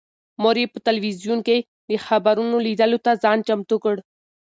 مور یې په تلویزون کې د خبرونو لیدلو ته ځان چمتو کړ.